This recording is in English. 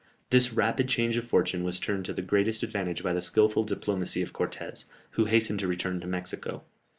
This rapid change of fortune was turned to the greatest advantage by the skilful diplomacy of Cortès, who hastened to return to Mexico.